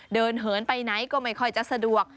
เหินไปไหนก็ไม่ค่อยจะสะดวก